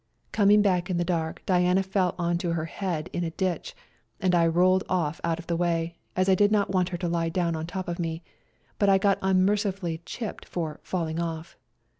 Coming back in the dark, Diana fell on to her head in a ditch, and I rolled off out of the way, as I did not want her to lie down on top of me, but I got unmerci fully chipped for " falling off."